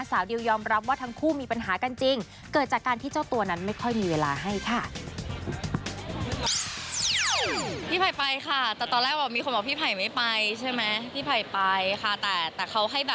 ดิวยอมรับว่าทั้งคู่มีปัญหากันจริงเกิดจากการที่เจ้าตัวนั้นไม่ค่อยมีเวลาให้ค่ะ